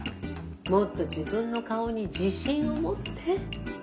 もっと自分の顔に自信を持って。